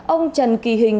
ông trần kỳ hình